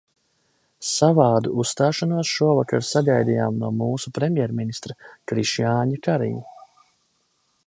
Savādu uzstāšanos šovakar sagaidījām no mūsu premjerministra Krišjāņa Kariņa.